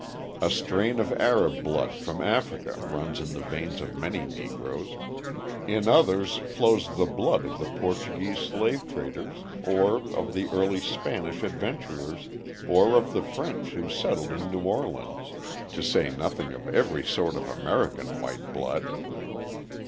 A strain of Arab blood from Africa runs in the veins of many Negroes, in others flows the blood of the Portuguese slave traders or of the early Spanish adventurers or of the French who settled in New Orleans, to say nothing of every sort of American white blood.